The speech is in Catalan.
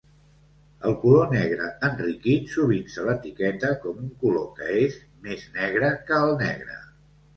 El color negre enriquit sovint se l'etiqueta com un color que és "més negre que el negre".